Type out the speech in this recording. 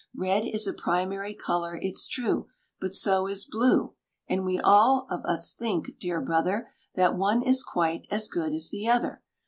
"Red is a primary colour, it's true, But so is Blue; And we all of us think, dear Brother, That one is quite as good as the other.